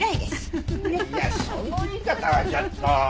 いやその言い方はちょっと。